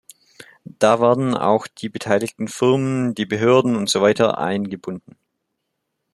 Da werden auch die beteiligten Firmen, die Behörden und so weiter eingebunden.